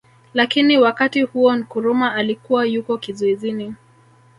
Lakini wakati huo Nkrumah alikuwa yuko kizuizini